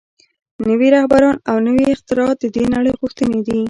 نوي رهبران او نوي اختراعات د دې نړۍ غوښتنې دي